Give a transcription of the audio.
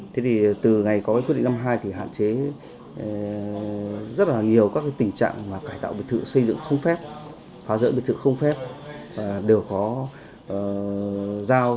từ ngày có quy định năm hai thì hạn chế rất nhiều các tình trạng cải tạo biệt thự xây dựng không phép phá rỡ biệt thự không phép đều có giao